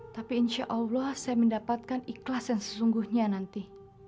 tapi insya allah saya mendapatkan ikhlas yang sesungguhnya nanti